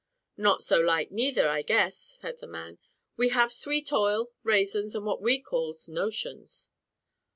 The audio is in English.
"Not so light neither, I guess," said the man; "we have sweet oil, raisins, and what we calls notions."